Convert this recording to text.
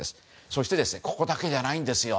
そしてここだけじゃないんです。